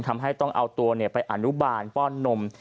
ทำให้ต้องเอาตัวไปอนุบาลป้อนนม